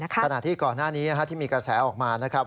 ขณะที่ก่อนหน้านี้ที่มีกระแสออกมานะครับ